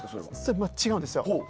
違うんです。